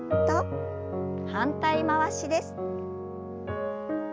反対回しです。